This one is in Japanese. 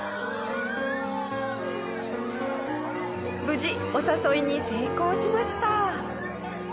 無事お誘いに成功しました。